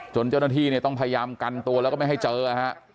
จนเจ้าหน้าที่ต้องพยายามกันตัวแล้วก็ไม่ให้เจอครับ